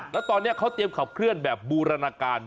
แล้วตอนนี้เขาเตรียมขับเคลื่อนแบบบูรณาการ